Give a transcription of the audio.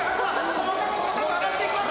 細かく細かく上がっていきます！